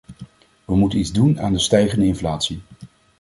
We moeten iets doen aan de stijgende inflatie.